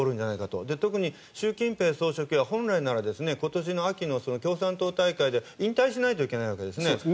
とくに習近平総書記は本来なら今年の秋の共産党大会で引退しないといけないわけです。